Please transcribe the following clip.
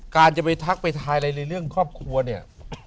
การจะไปทักไปทายอะไรในเรื่องครอบครัวเนี่ย